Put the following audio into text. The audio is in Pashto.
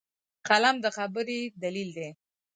قلم د خبرې دلیل دی